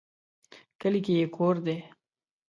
کلي کې یې کور دی